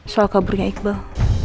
soal kaburnya iqbal